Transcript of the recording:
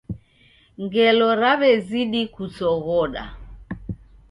Ngelo raw'ezidi kusoghoda.